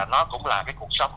nó cũng là cái cuộc sống